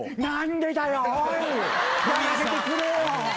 「やらせてくれよ！」